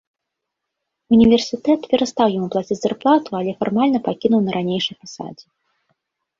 Універсітэт перастаў яму плаціць зарплату, але фармальна пакінуў на ранейшай пасадзе.